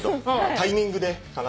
タイミングでかな。